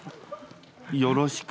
よろしく。